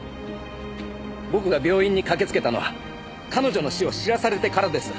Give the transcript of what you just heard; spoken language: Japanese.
僕が病院に駆けつけたのは彼女の死を知らされてからです。